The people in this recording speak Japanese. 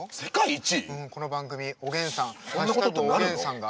この番組「おげんさん」。＃おげんさんが。